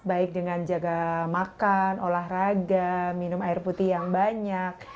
baik dengan jaga makan olahraga minum air putih yang banyak